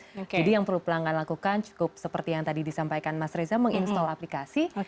jadi yang perlu pelanggan lakukan cukup seperti yang tadi disampaikan mas reza menginstall aplikasi